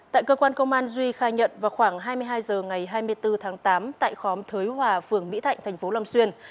tại cơ quan công an duy khai nhận vào khoảng hai mươi hai h ngày hai mươi bốn tháng tám tại khóm thới hòa phường mỹ thạnh thành phố long xuyên